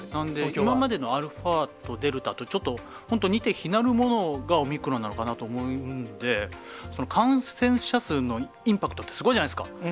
今までのアルファとデルタと、ちょっと本当似て非なるものがオミクロンなのかなと思うんで、その感染者数のインパクトってすごいじゃないですか。